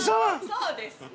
そうですよ。